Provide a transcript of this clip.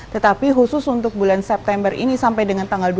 tetapi khusus untuk bulan september ini sampai dengan tanggal dua puluh